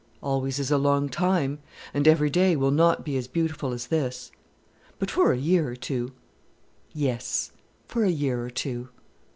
"Always is a long time, and every day will not be as beautiful as this; but for a year or two " "Yes, for a year or two."